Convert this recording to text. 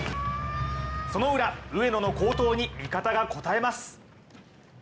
そのウラ、上野の好投に味方が応えます。